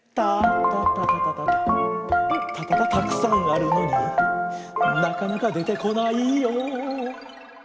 たたたたたたたたたくさんあるのになかなかでてこないよ。